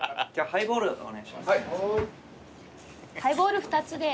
ハイボール２つで。